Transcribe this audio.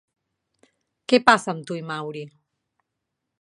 Què passa amb tu i Maury?